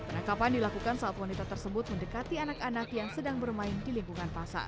penangkapan dilakukan saat wanita tersebut mendekati anak anak yang sedang bermain di lingkungan pasar